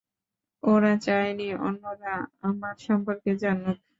ওরা চায়নি অন্যরা আমার সম্পর্কে জানুক।